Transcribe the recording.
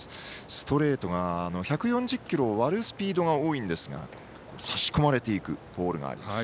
ストレートが１４０キロを割るスピードが多いんですが差し込まれているボールがあります。